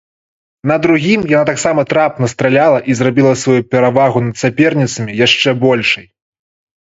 На другім яна таксама трапна страляла і зрабіла сваю перавагу над саперніцамі яшчэ большай.